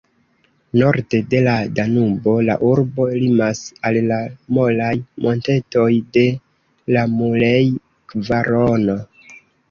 Norde de la Danubo la urbo limas al la molaj montetoj de la Mulej-kvarono.